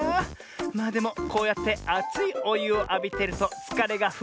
まあでもこうやってあついおゆをあびてるとつかれがふっとぶのミズ」。